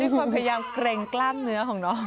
ความพยายามเกร็งกล้ามเนื้อของน้อง